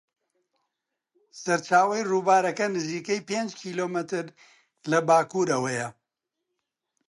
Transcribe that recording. سەرچاوەی ڕووبارەکە نزیکەی پێنج کیلۆمەتر لە باکوورەوەیە.